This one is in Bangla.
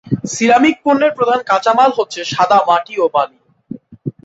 সিরামিক পণ্যের প্রধান কাঁচামাল হচ্ছে সাদা মাটি ও বালি।